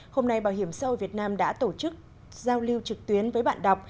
hôm nay bảo hiểm xã hội việt nam đã tổ chức giao lưu trực tuyến với bạn đọc